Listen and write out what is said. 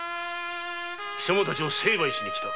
貴様たちを成敗しに来た。